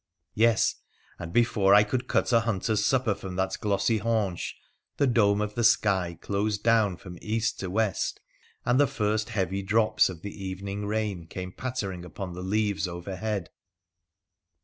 Yes, and before I could cut a hunter's supper from that glossy haunch the dome of the sky closed down from east to west, and the first heavy drops of the evening rain came pattering upon the leaves overhead.